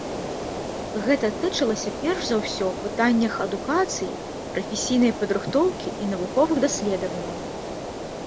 Гэта тычылася перш за ўсё пытаннях адукацыі, прафесійнай падрыхтоўкі і навуковых даследаванняў.